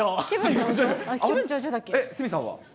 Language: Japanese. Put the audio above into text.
鷲見さんは？